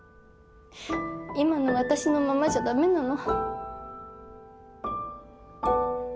今の私のままじゃ駄目なの？